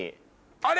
あれ？